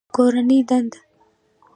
کورنۍ دنده